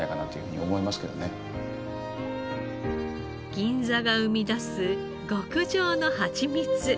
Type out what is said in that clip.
銀座が生み出す極上のハチミツ。